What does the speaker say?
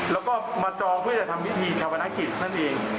แล้วก็มาจองเพื่อจะทำพิธีชาวพนักกิจนั่นเอง